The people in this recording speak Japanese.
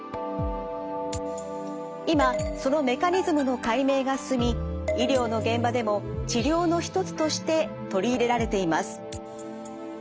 今そのメカニズムの解明が進み医療の現場でも治療の一つとして取り入れられています。